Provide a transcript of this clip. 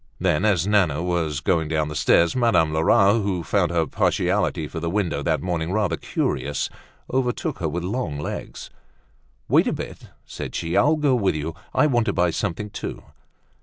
Then as Nana was doing down the stairs, Madame Lerat, who found her partiality for the window that morning rather curious, overtook her with her long legs. "Wait a bit," said she. "I'll go with you. I want to buy something too."